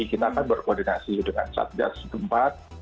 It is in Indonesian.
kita berkoordinasi dengan satja setempat